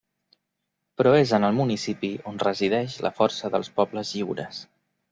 Però és en el municipi on resideix la força dels pobles lliures.